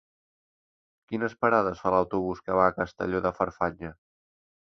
Quines parades fa l'autobús que va a Castelló de Farfanya?